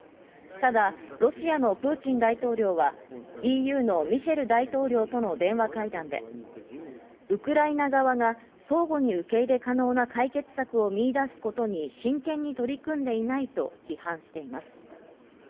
ただロシアのプーチン大統領はＥＵのミシェル大統領との電話会談でウクライナ側が相互に受け入れ可能な解決策を見いだすことに真剣に取り組んでいないと批判しています。